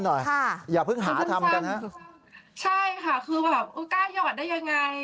ใช่ค่ะเกลียดยอดได้อย่างไรคือไม่รู้อะไรเลยนะคะ